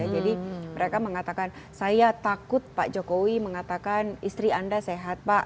jadi mereka mengatakan saya takut pak cokowi mengatakan istri anda sehat pak